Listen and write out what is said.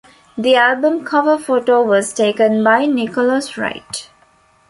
The album cover photo was taken by Nicholas Wright.